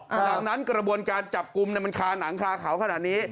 ดังนั้นกระบวนการจับกลุ่มมันคาหนังคาเขาขนาดนี้